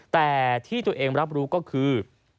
แต่ที่ตัวเองรับรู้ก็คือ